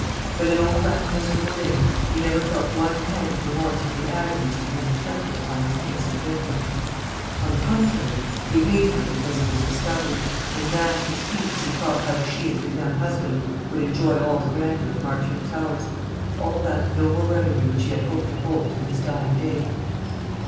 But in all that miserable day he never felt one pang of remorse for the agonies that he had inflicted upon his innocent victim; on the contrary, he hated her because of this discovery, and gnashed his teeth as he thought how she and her young husband would enjoy all the grandeur of Marchmont Towers, all that noble revenue which he had hoped to hold till his dying day.